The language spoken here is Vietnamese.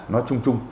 nó trung trung